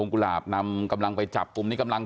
ก็เลยมาทำรูปและมาคิดทำเอง